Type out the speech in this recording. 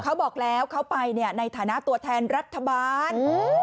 เขาบอกแล้วเขาไปในฐานะตัวแทนรัฐบาล